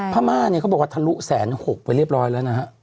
พม่าเนี่ยเขาบอกว่าทะลุ๑๖๐๐ไปเรียบร้อยแล้วนะฮะ